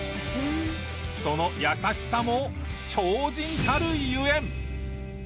その優しさも超人たるゆえん。